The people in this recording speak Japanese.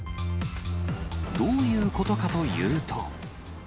どういうことかというと。